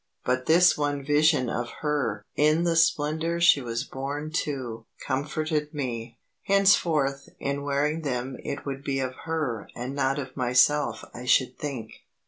But this one vision of her in the splendour she was born to comforted me. Henceforth in wearing them it would be of her and not of myself I should think.